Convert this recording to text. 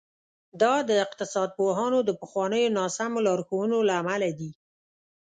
دا د اقتصاد پوهانو د پخوانیو ناسمو لارښوونو له امله دي.